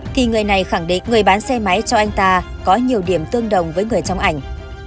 thì người này khẳng định người bán xe máy cho anh ta có nhiều điểm tương đồng với người trong ảnh